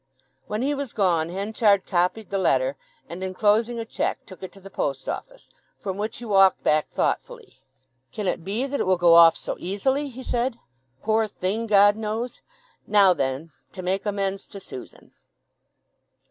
When he was gone Henchard copied the letter, and, enclosing a cheque, took it to the post office, from which he walked back thoughtfully. "Can it be that it will go off so easily!" he said. "Poor thing—God knows! Now then, to make amends to Susan!"